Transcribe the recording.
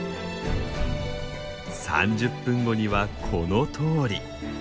３０分後にはこのとおり。